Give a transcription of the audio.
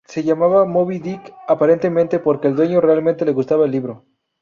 Se llamaba Moby Dick, aparentemente porque al dueño realmente le gustaba el libro.